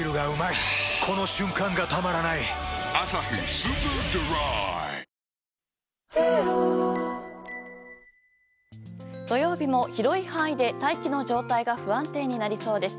台風５号土曜日も広い範囲で大気の状態が不安定になりそうです。